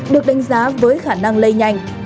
được đánh giá với khả năng lây nhanh